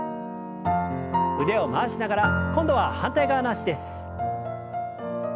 腕を回しながら今度は反対側の脚です。